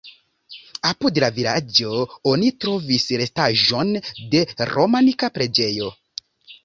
Apud la vilaĝo oni trovis restaĵon de romanika preĝejo.